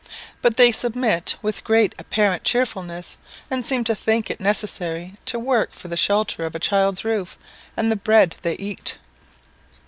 But they submit with great apparent cheerfulness, and seem to think it necessary to work for the shelter of a child's roof, and the bread they eat.